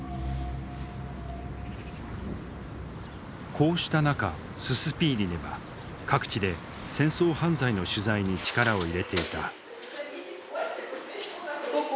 こうした中ススピーリネは各地で戦争犯罪の取材に力を入れていた。